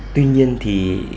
tuy nhiên thì